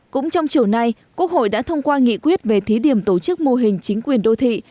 cũng trong chiều nay quốc hội đã thông qua nghị quyết về thí điểm tổ chức mô hình chính quyền đô thị